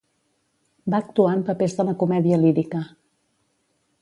Va actuar en papers de la comèdia lírica.